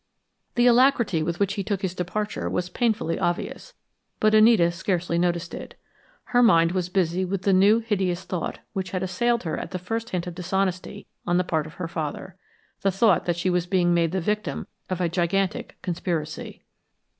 The alacrity with which he took his departure was painfully obvious, but Anita scarcely noticed it. Her mind was busy with the new, hideous thought, which had assailed her at that first hint of dishonesty on the part of her father the thought that she was being made the victim of a gigantic conspiracy.